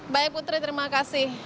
baik putri terima kasih